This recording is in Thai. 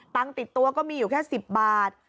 ติดตัวก็มีอยู่แค่๑๐บาท